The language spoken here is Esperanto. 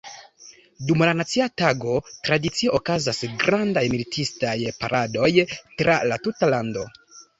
Dum la nacia tago tradicie okazas grandaj militistaj paradoj tra la tuta lando.